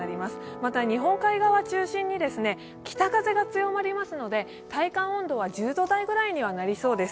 また日本海側中心に北風が強まりますので体感温度は１０度台くらいになりそうです。